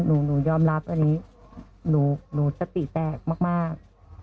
หนูยอมรับอันนี้หนูสติแตกมาก